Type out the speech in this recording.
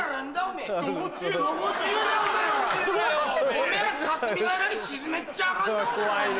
おめぇら霞ヶ浦に沈めっちゃうかんな。